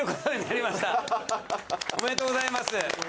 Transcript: おめでとうございます。